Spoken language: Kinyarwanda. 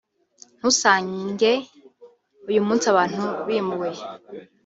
ntusange uyu munsi abantu bimuwe